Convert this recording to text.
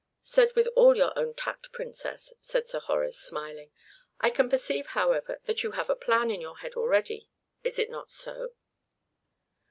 "Said with all your own tact, Princess," said Sir Horace, smiling. "I can perceive, however, that you have a plan in your head already. Is it not so?"